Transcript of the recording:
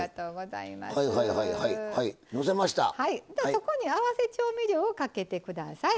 そこに合わせ調味料をかけて下さい。